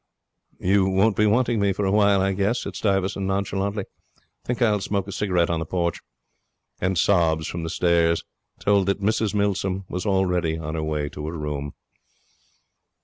'You won't be wanting me for a while, I guess?' said Stuyvesant nonchalantly. 'Think I'll smoke a cigarette on the porch.' And sobs from the stairs told that Mrs Milsom was already on her way to her room.